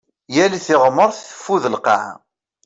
Yal tiɣmert teffud lqaɛa.